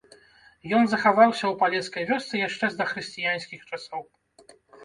Ён захаваўся ў палескай вёсцы яшчэ з дахрысціянскіх часоў.